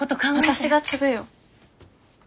私が継ぐよ。